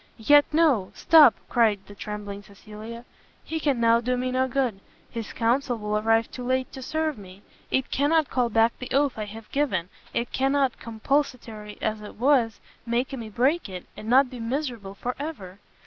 "Yet no! stop! " cried the trembling Cecilia, "he can now do me no good, his counsel will arrive too late to serve me, it cannot call back the oath I have given! it cannot, compulsatory as it was, make me break it, and not be miserable for ever!"